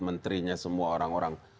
menterinya semua orang orang